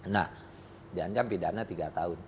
nah diancam pidana tiga tahun